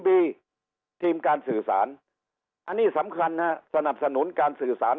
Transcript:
ทีมการสื่อสารอันนี้สำคัญนะสนับสนุนการสื่อสาร